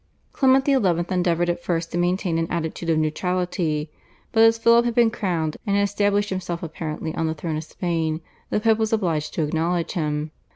Clement XI. endeavoured at first to maintain an attitude of neutrality, but as Philip had been crowned and had established himself apparently on the throne of Spain the Pope was obliged to acknowledge him.